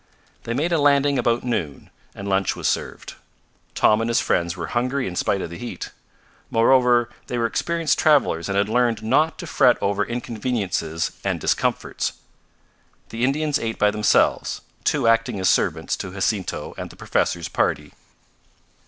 They made a landing about noon, and lunch was served. Tom and his friends were hungry in spite of the heat. Moreover, they were experienced travelers and had learned not to fret over inconveniences and discomforts. The Indians ate by themselves, two acting as servants to Jacinto and the professor's party.